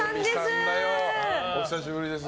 お久しぶりです。